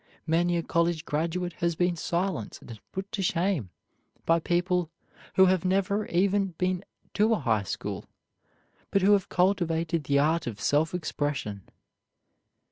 Many a college graduate has been silenced and put to shame by people who have never even been to a high school, but who have cultivated the art of self expression.